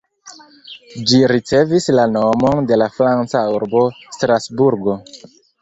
Ĝi ricevis la nomon de la franca urbo Strasburgo.